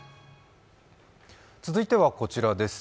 続いてはこちらです。